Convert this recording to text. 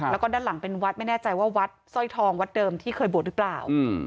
แล้วก็ด้านหลังเป็นวัดไม่แน่ใจว่าวัดสร้อยทองวัดเดิมที่เคยบวชหรือเปล่า